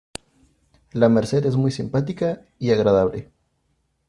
La Merced es muy simpática y agradable.